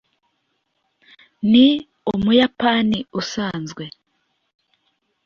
ni umuyapani usanzwe